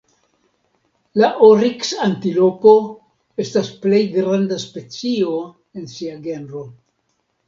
La oriks-antilopo estas plej granda specio en sia genro.